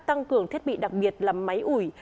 tăng cường thiết bị đặc biệt làm máy ủi